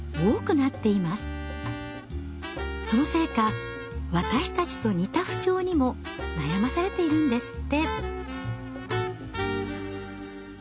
そのせいか私たちと似た不調にも悩まされているんですって。